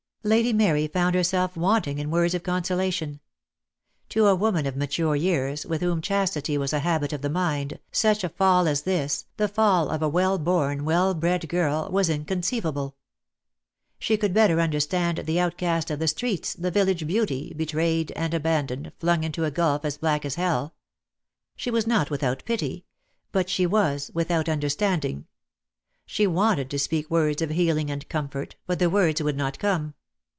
Lady Mary found herself wanting in words of consolation. To a woman of mature years, with whom chastity was a habit of the mind, such a fall as this, the fall of a well born, well bred girl, was inconceivable. She could better understand the outcast of the streets, the village beauty, be trayed and abandoned, flung into a gulf as black as hell. She was not without pity; but she was without understanding. She wanted to speak words of healing and comfort, but the words would not come.